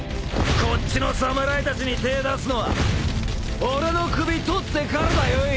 こっちの侍たちに手ぇ出すのは俺の首取ってからだよい！